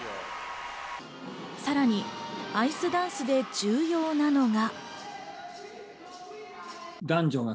さらにアイスダンスで重要なのが。